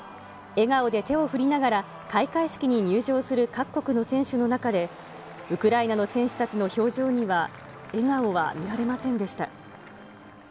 笑顔で手を振りながら、開会式に入場する各国の選手の中で、ウクライナの選手たちの表情には笑顔は見られませんでした。